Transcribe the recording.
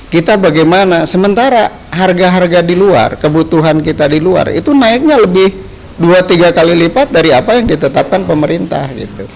kita bagaimana sementara harga harga di luar kebutuhan kita di luar itu naiknya lebih dua tiga kali lipat dari apa yang ditetapkan pemerintah